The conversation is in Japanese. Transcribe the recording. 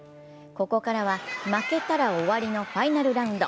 ここからは負けたら終わりのファイナルラウンド。